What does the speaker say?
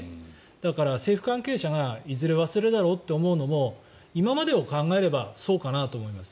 だから政府関係者がいずれ忘れるだろうと思うのも今までを考えればそうかなと思います。